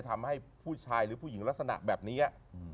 ทำให้ผู้ชายหรือผู้หญิงลักษณะแบบนี้